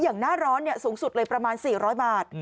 หน้าร้อนสูงสุดเลยประมาณ๔๐๐บาท